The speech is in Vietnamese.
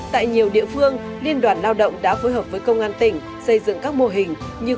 tại nhiều địa phương liên đoàn lao động đã phối hợp với công an tỉnh xây dựng các mô hình như